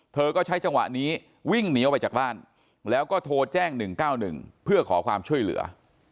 เธอก็ใช้จังหวะนี้วิ่งหนีออกไปจากบ้านแล้วก็โทรแจ้ง๑๙๑เพื่อขอความช่วยเหลือ